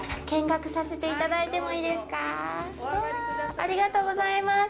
ありがとうございます。